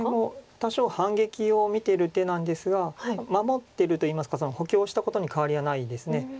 多少反撃を見てる手なんですが守ってるといいますか補強したことに変わりはないです。